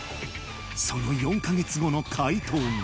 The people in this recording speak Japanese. その４か月後の回答が